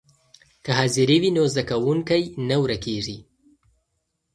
که حاضري وي نو زده کوونکی نه ورکېږي.